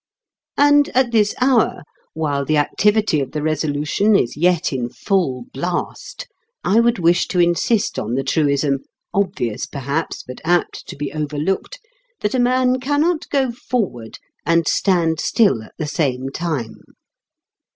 And at this hour, while the activity of the Resolution is yet in full blast, I would wish to insist on the truism, obvious perhaps, but apt to be overlooked, that a man cannot go forward and stand still at the same time.